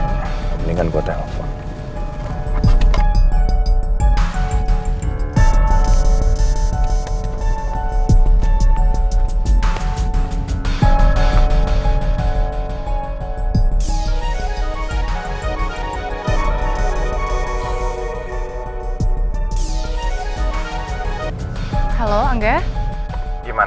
mendingan gue telepon